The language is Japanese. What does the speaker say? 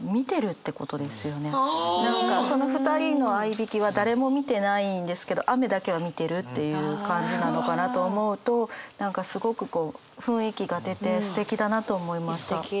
何かその２人のあいびきは誰も見てないんですけど雨だけは見てるっていう感じなのかなと思うと何かすごくこう雰囲気が出てすてきだなと思いました。